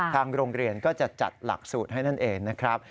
ทางโรงเรียนก็จะจัดหลักสูตรให้นั่นเองนะครับ